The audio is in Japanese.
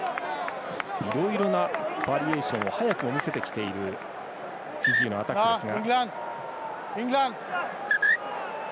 いろいろなバリエーションを早くも見せてきているフィジーのアタックですが。